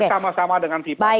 sama sama dengan tipis